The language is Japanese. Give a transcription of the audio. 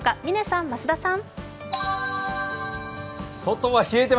嶺さん、増田さん。